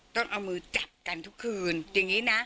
ต้องเอามือจับกันทุกคืนอย่างนี้นะ